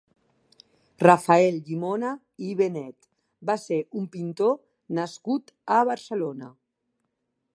Rafael Llimona i Benet va ser un pintor nascut a Barcelona.